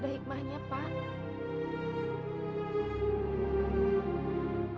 ada beberapa donatur yang akan memberikan dana renovasi masjid ini